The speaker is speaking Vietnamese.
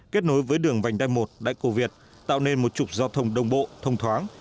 kết nối với đường vành đai một đại cổ việt tạo nên một trục giao thông đồng bộ thông thoáng